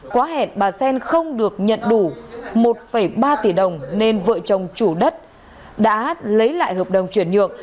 quá hẹn bà xen không được nhận đủ một ba tỷ đồng nên vợ chồng chủ đất đã lấy lại hợp đồng chuyển nhượng